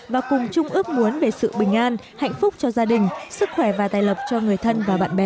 và cùng chung ước muốn về sự bình an hạnh phúc cho gia đình sức khỏe và tài lập cho người thân và bạn bè